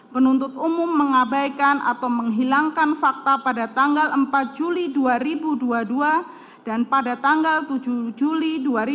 penuntut umum mengabaikan atau menghilangkan fakta pada tanggal empat juli dua ribu dua puluh dua dan pada tanggal tujuh juli dua ribu dua puluh